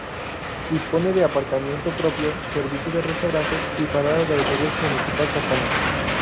Dispone de aparcamiento propio, servicio de restaurante y parada de autobús municipal cercana.